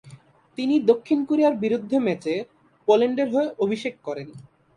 তিনি দক্ষিণ কোরিয়ার বিরুদ্ধে ম্যাচে পোল্যান্ডের হয়ে অভিষেক করেন।